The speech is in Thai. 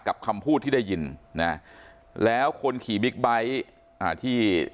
กับคำพูดได้ยินแล้วคนขี่บิ๊กใบที่